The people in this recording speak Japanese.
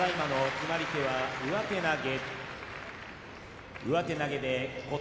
決まり手は上手投げ。